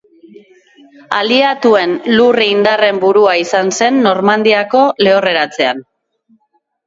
Aliatuen lur-indarren burua izan zen Normandiako Lehorreratzean.